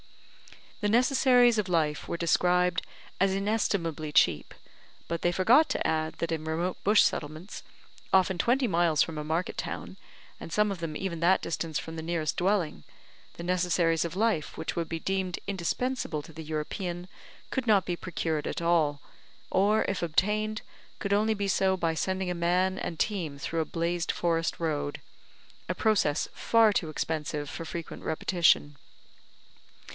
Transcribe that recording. The necessaries of life were described as inestimably cheap; but they forgot to add that in remote bush settlements, often twenty miles from a market town, and some of them even that distance from the nearest dwelling, the necessaries of life which would be deemed indispensable to the European, could not be procured at all, or, if obtained, could only be so by sending a man and team through a blazed forest road, a process far too expensive for frequent repetition.